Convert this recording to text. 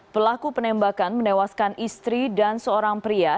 pelaku penembakan menewaskan istri dan seorang pria